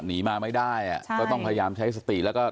หนีมาไม่ได้อ่ะก็ต้องพยายามใช้สติแล้วก็